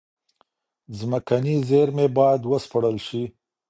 ځمکني زېرمي بايد و سپړل سي.